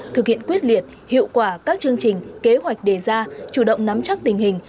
thực hiện quyết liệt hiệu quả các chương trình kế hoạch đề ra chủ động nắm chắc tình hình